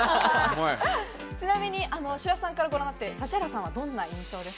ちなみに白洲さんからご覧になって、指原さんの印象は？